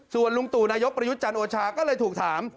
ส่วนลุงตู่นายกประยุทธ์จันทร์โอชาก็เลยถูกถาม